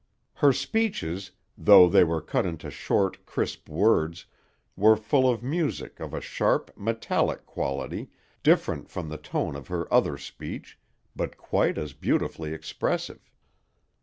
Her speeches, though they were cut into short, crisp words, were full of music of a sharp, metallic quality different from the tone of her other speech, but quite as beautifully expressive.